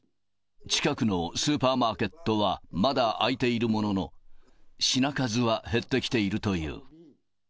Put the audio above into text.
近くのスーパーマーケットはまだ開いているものの、品数は減ってきているという。